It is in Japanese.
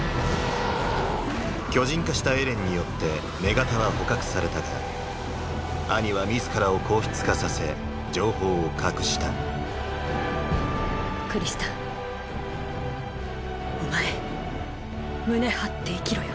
巨人化したエレンによって女型は捕獲されたがアニは自らを硬質化させ情報を隠したクリスタお前胸張って生きろよ。